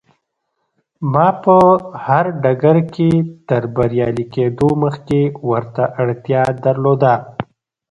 ما په هر ډګر کې تر بريالي کېدو مخکې ورته اړتيا درلوده.